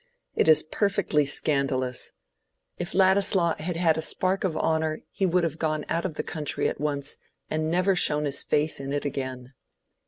"It is perfectly scandalous. If Ladislaw had had a spark of honor he would have gone out of the country at once, and never shown his face in it again.